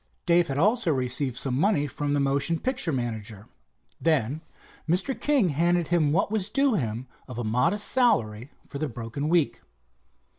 Dave had also received some money from the motion picture manager. Then Mr. King handed him what was due him of a modest salary for the broken week.